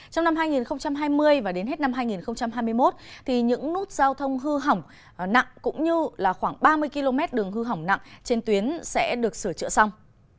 trong năm hai nghìn hai mươi và đến hết năm hai nghìn hai mươi một những nút giao thông hư hỏng nặng cũng như là khoảng ba mươi km đường hư hỏng nặng trên tuyến sẽ được sửa chữa xong